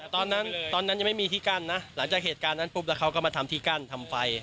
ตอนนั้นตอนนั้นยังไม่มีที่กั้นนะหลังจากเหตุการณ์นั้นปุ๊บแล้วเขาก็มาทำที่กั้นทำไฟ